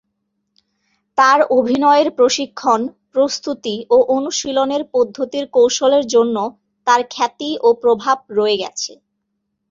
তার অভিনয়ের প্রশিক্ষণ, প্রস্তুতি, ও অনুশীলনের পদ্ধতির কৌশলের জন্য তার খ্যাতি ও প্রভাব রয়ে গেছে।